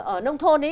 ở nông thôn